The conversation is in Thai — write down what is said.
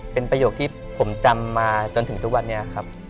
เป็นประโยคที่ผมจำมาจนถึงทุกวันนี้ครับ